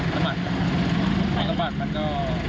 สะบัดไปสะบัดมันก็